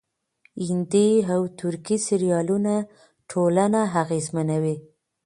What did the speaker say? هندي او ترکي سريالونه ټولنه اغېزمنوي.